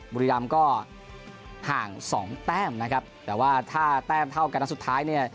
บุรีรำก็ห่างสองแต้มนะครับแต่ว่าถ้าแต้มเท่ากันนัดสุดท้ายเนี่ย